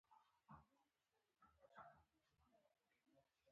دغو پوځیانو د افریقایانو مقاومت وځاپه.